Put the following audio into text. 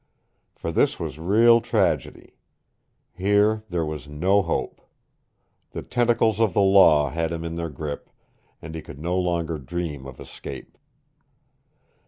For this was real tragedy. Here there was no hope. The tentacles of the law had him in their grip, and he could no longer dream of escape.